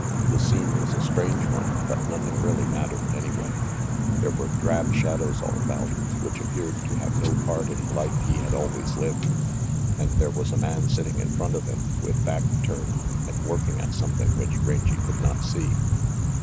The scene was a strange one, but nothing really mattered anyway. There were drab shadows all about, which appeared to have no part in the life he had always lived, and there was a man sitting in front of him, with back turned, and working at something which Rangy could not see.